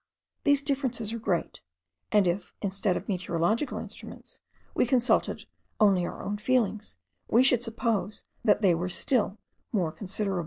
These differences are great; and if, instead of meteorological instruments, we consulted only our own feelings, we should suppose they were still more considerable.